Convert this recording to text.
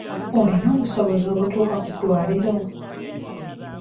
Olina obusobozi obutuuka ku ddwaliro?